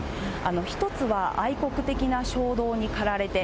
１つは愛国的な衝動にかられて。